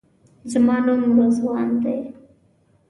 زما نوم رضوان دی.